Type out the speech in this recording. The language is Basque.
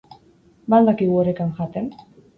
Ba al dakigu orekan jaten?